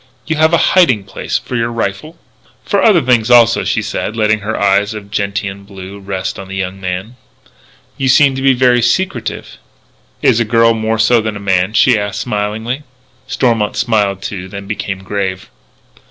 "You have a hiding place for your rifle?" "For other things, also," she said, letting her eyes of gentian blue rest on the young man. "You seem to be very secretive." "Is a girl more so than a man?" she asked smilingly. Stormont smiled too, then became grave.